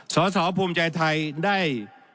สสภูมิใจไทยได้